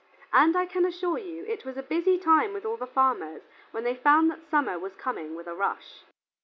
And, I can assure you, it was a busy time with all the farmers when they found that summer was coming with a rush.